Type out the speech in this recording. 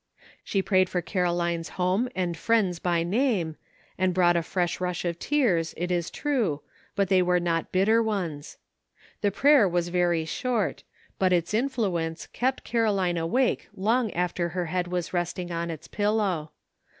She prayed for Caroline's home and friends by name, and brought a fresh rush of tears, it is true, but they were not bitter ones. The prayer 224 A LONG, WONDERFUL DAY. was very short, but its influence kept Caroline awake long after her head was resting on its pillow.